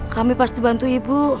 kami pasti bantu ibu